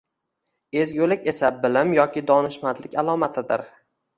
Ezgulik esa bilim yoki donishmandlik alomatidir